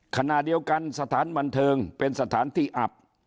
ขณะเดียวกันสถานบันเทิงเป็นสถานที่อับ